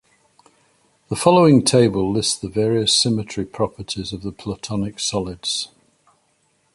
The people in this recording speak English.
The following table lists the various symmetry properties of the Platonic solids.